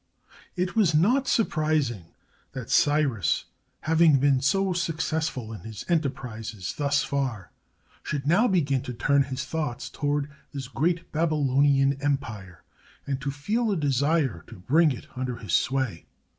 519 MESOPOTAMIA It was not surprising that Cyrus, having been so suc cessful in his enterprises thus far, should now begin to turn his thoughts toward this great Babylonian Empire, and to feel a desire to bring it under his sway.